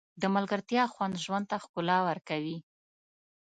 د ملګرتیا خوند ژوند ته ښکلا ورکوي.